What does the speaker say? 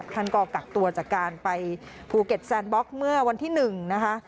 ท่านก็กักตัวจากการไปภูเก็ตแซนบล็อกเมื่อวันที่๑นะคะ